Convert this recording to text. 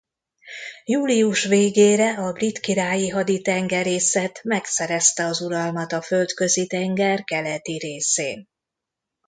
Július végére a Brit Királyi Haditengerészet megszerezte az uralmat a Földközi-tenger keleti részén.